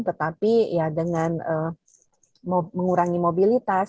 tetapi dengan mengurangi mobilitas